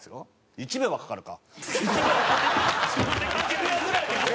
１秒はかかるか。